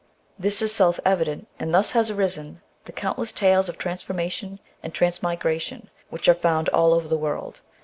This is self evident, and thus have arisen the count less tales of transformation and transmigration which are found all over the world.